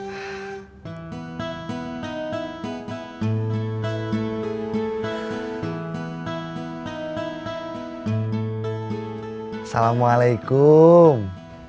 bukannya saeb yang mempengaruhi kamu buat balik lagi jadi copet